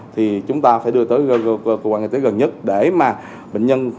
thì chúng ta phải đưa tới cơ quan y tế gần nhất để mà bệnh nhân